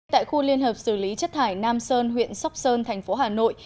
tại khu liên hợp xử lý chất thải nam sơn huyện sóc sơn thành phố hà nội